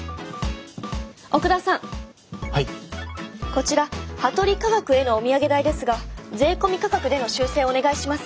こちら羽鳥化学へのお土産代ですが税込み価格での修正をお願いします。